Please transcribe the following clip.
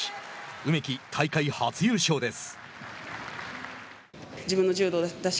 梅木、大会初優勝です。